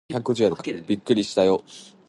びっくりしたよー